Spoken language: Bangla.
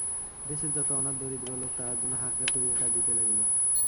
দেশের যত অনাথ দরিদ্র লোক তাঁহার জন্য হাহাকার করিয়া কাঁদিতে লাগিল।